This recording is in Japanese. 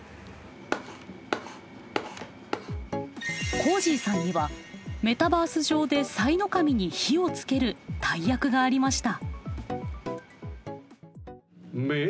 こーじぃさんにはメタバース上でさいの神に火をつける大役がありました。